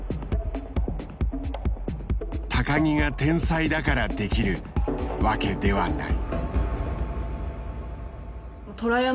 木が天才だからできるわけではない。